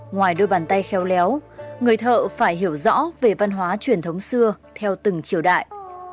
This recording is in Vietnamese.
ngoài đôi bàn tay khéo léo người thợ phải hiểu rõ về văn hóa truyền thống xưa theo từng triều đại